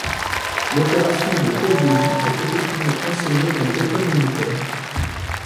L'opération de Kolwezi est effectivement enseignée dans les écoles militaires.